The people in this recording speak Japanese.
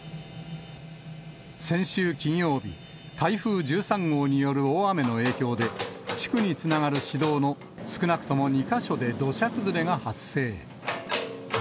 先週金曜日、台風１３号による大雨の影響で、地区につながる市道の少なくとも２か所で土砂崩れが発生。